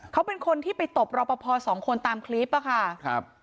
เขาเป็นคนที่ไปตบรอปภ๒คนตามคลิปป่ะค่ะ